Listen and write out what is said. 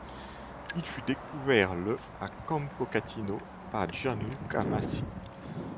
Il fut découvert le à Campo Catino par Gianluca Masi.